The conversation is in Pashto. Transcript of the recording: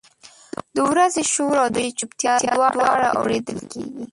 د ورځې شور او د شپې چپتیا دواړه اورېدل کېږي.